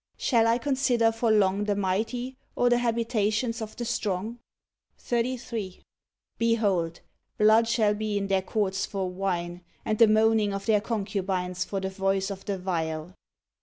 Shall I consider for long the mighty, or the habitations of the strong? 138 fHE FORfr tHIRD CHJP'TER OF JOB 33. Behold ! blood shall be in their courts for wine, and the moaning of their concubines for the voice of the viol. 34.